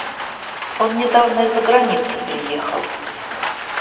Он недавно из-за границы приехал.